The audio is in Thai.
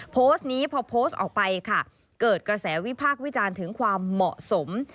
โพสต์นี้พอโพสต์ออกไปค่ะเกิดกระแสวิพากษ์วิจารณ์ถึงความเหมาะสม